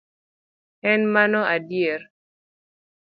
Ee, mano adier!